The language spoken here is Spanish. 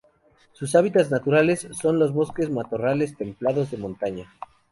Sus hábitats naturales son los bosques y matorrales templados de montaña.